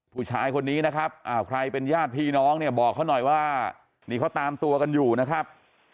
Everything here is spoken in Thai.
ผู้ชายคนนี้นะครับใครเป็นญาติพี่น้องเนี่ยบอกเขาหน่อยว่านี่เขาตามตัวกันอยู่นะครับ